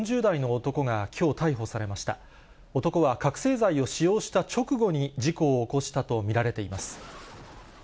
男は覚醒剤を使用した直後に事故を起こしたと見られています。